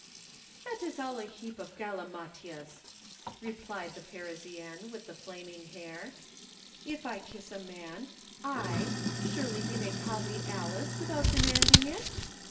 "That is all a heap of galimatias," replied the Parisienne with the flaming hair "If I kiss a man, I, surely he may call me Alice without demanding it?